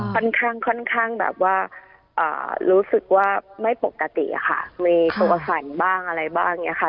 ค่อนข้างค่อนข้างแบบว่ารู้สึกว่าไม่ปกติอะค่ะมีตัวสั่นบ้างอะไรบ้างอย่างนี้ค่ะ